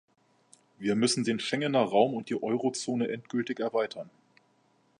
Wir müssen den Schengener Raum und die Eurozone endgültig erweitern.